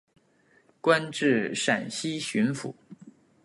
官至陕西巡抚。